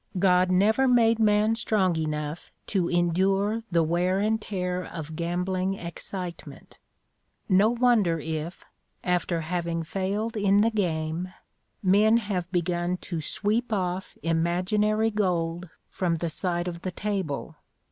God never made man strong enough to endure the wear and tear of gambling excitement. No wonder if, after having failed in the game, men have begun to sweep off imaginary gold from the side of the table.